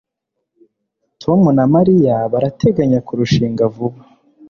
Tom na Mariya barateganya kurushinga vuba